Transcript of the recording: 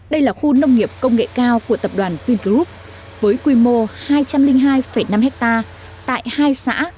đây là khu nông nghiệp công nghệ cao của tập đoàn vingroup với quy mô hai trăm linh hai năm hectare tại hai xã